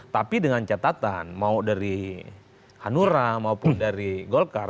tapi dengan catatan mau dari hanura maupun dari golkar